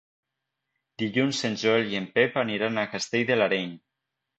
Dilluns en Joel i en Pep aniran a Castell de l'Areny.